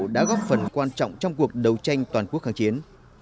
đã góp phần quan trọng trong cuộc đấu tranh toàn quốc kháng chiến